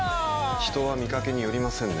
人は見掛けによりませんね。